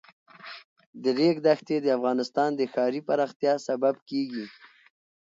د ریګ دښتې د افغانستان د ښاري پراختیا سبب کېږي.